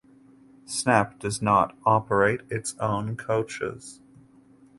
Snap does not operate its own coaches.